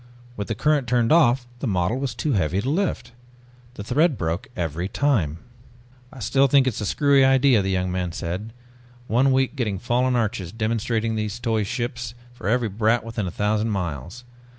With the current turned off the model was too heavy to lift. The thread broke every time. "I still think it's a screwy idea," the young man said. "One week getting fallen arches, demonstrating those toy ships for every brat within a thousand miles.